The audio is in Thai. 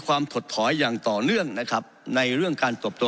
ถดถอยอย่างต่อเนื่องนะครับในเรื่องการตบตัว